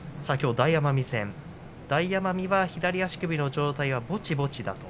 大奄美は左足首の状態はぼちぼちだと。